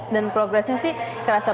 dan progresnya sih kerasa